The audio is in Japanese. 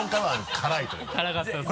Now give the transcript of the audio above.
辛かったです。